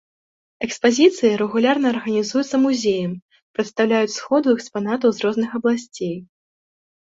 Экспазіцыі, рэгулярна арганізуюцца музеем, прадстаўляюць сходу экспанатаў з розных абласцей.